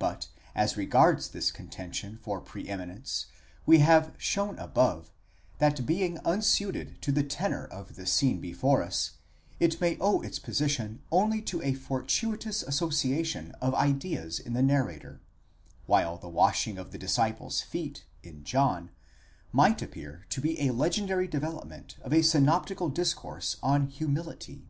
But as regards this contention for pre eminence, we have shown above, that being unsuited to the tenor of the scene before us, it may owe its position only to a fortuitous association of ideas in the narrator: while the washing of the disciples' feet, in John, might appear to be a legendary development of a synoptical discourse on humility.